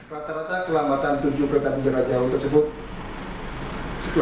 rata rata kelembatan tujuh kereta penjara jauh tersebut